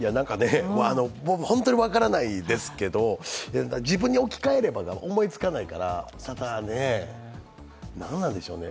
本当に分からないですが自分に置き換えれば思いつかないから、何なんでしょうね。